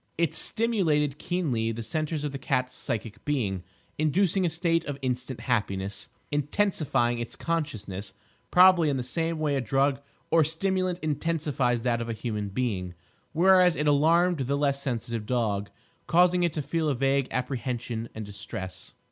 It stimulated keenly the centres of the cat's psychic being, inducing a state of instant happiness (intensifying its consciousness probably in the same way a drug or stimulant intensifies that of a human being); whereas it alarmed the less sensitive dog, causing it to feel a vague apprehension and distress.